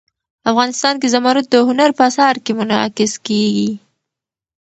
افغانستان کې زمرد د هنر په اثار کې منعکس کېږي.